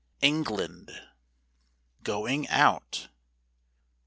ENGLAND. GOING OUT.